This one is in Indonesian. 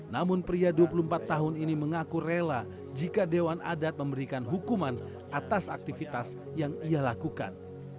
namun pria dua puluh empat tahun ini mengaku rela jika dewan adat memberikan hukuman atas aktivitas yang ia lakukan